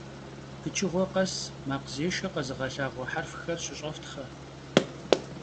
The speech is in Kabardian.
Pıçığue khes makhzêşşe khezığelhağue herfxer şış'eftxhe!